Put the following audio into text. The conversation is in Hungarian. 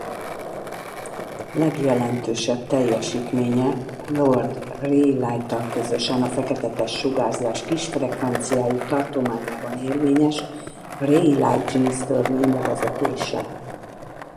Legjelentősebb teljesítménye lord Rayleigh-vel közösen a feketetest-sugárzás kis frekvenciájú tartományában érvényes Rayleigh–Jeans-törvény levezetése.